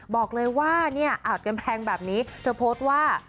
บอกเลยว่าเนี่ยอาจกำแพงแบบนี้เธอโพสต์ว่า